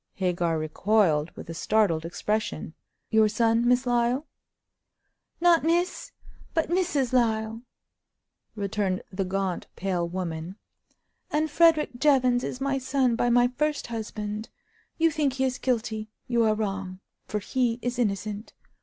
Hagar recoiled, with a startled expression. "Your son, Miss Lyle?" "Not Miss, but Mrs. Lyle," returned the gaunt, pale woman; "and Frederick Jevons is my son by my first husband. You think he is guilty; you are wrong, for he is innocent.